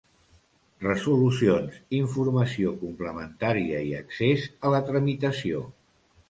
Resolucions, informació complementaria i accés a la tramitació.